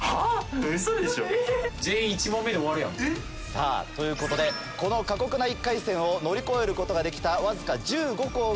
さぁということでこの過酷な１回戦を乗り越えることができたわずか。